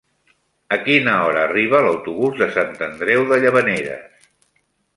A quina hora arriba l'autobús de Sant Andreu de Llavaneres?